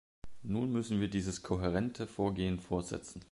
Nun müssen wir dieses kohärente Vorgehen fortsetzen.